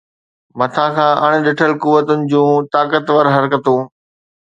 مٿان کان اڻ ڏٺل قوتن جون طاقتور حرڪتون.